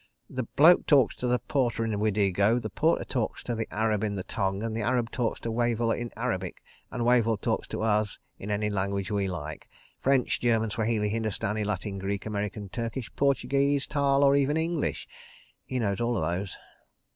The bloke talks to the porter in Wadego, the porter talks to the Arab in the Tongue, the Arab talks to Wavell in Arabic, and Wavell talks to us in any language we like—French, German, Swahili, Hindustani, Latin, Greek, American, Turkish, Portuguese, Taal or even English. He knows all those.